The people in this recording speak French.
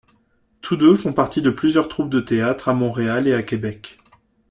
Tous deux font partie de plusieurs troupes de théâtre à Montréal et à Québec.